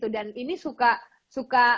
dan ini suka